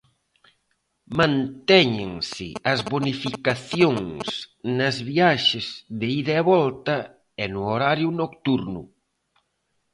Mantéñense as bonificacións nas viaxes de ida e volta e no horario nocturno.